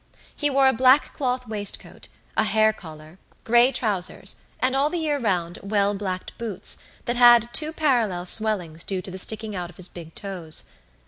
He wore a black cloth waistcoat, a hair collar, grey trousers, and, all the year round, well blacked boots, that had two parallel swellings due to the sticking out of his big toes.